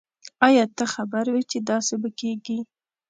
آیا ته خبر وی چې داسي به کیږی